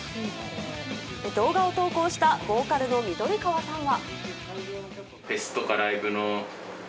動画を投稿したボーカルの緑川さんは。